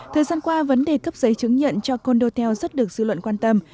thời gian qua vấn đề cấp giấy chứng nhận cho cô đô tèo rất được dư luận quan tâm